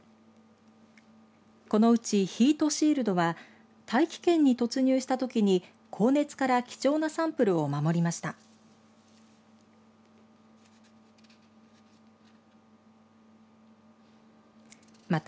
このうちヒートシールドは大気圏に突入したときに高熱から貴重なサンプルを守りました。